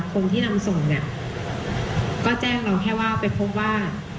คนที่นำส่งเนี่ยก็แจ้งเราแค่ว่าไปพบว่า